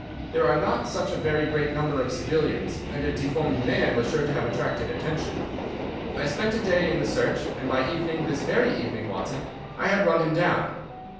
There are not such a very great number of civilians, and a deformed man was sure to have attracted attention. I spent a day in the search, and by evening—this very evening, Watson—I had run him down.